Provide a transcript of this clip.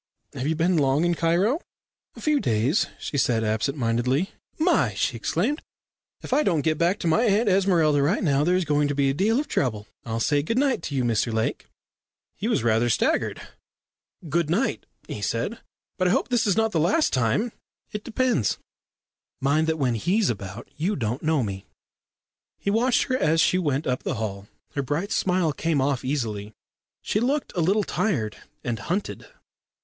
Have you been long in Cairo?" "A few days," she said absent mindedly. "My!" she exclaimed. "If I don't go back to my Aunt Esmeralda right now, there's going to be a deal of trouble. I'll say good night to you, Mr Lake." He was rather staggered. "Good night," he said. "But I hope this is not the last time " "It depends. Mind that when he's about you don't know me." He watched her as she went up the hall. Her bright smile came off very easily. She looked a little tired and hunted.